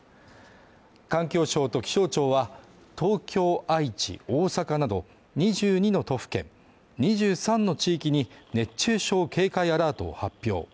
環境省と気象庁は、東京・愛知・大阪など２２の都府県２３の地域に熱中症警戒アラートを発表。